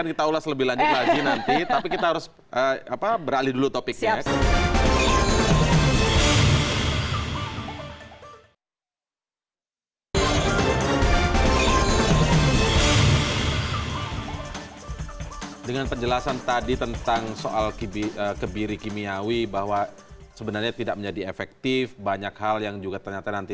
ini pertanyaannya akan kita ulas lebih lanjut lagi nanti